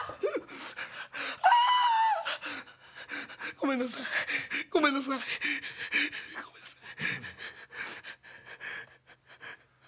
ごめんなさいごめんなさいごめんなさい。